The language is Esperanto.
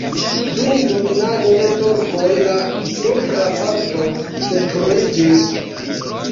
Dum dominado de turkoj la supra parto detruiĝis.